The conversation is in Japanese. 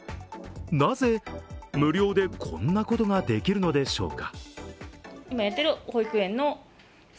なぜ、無料でこんなことができるのでしょうか。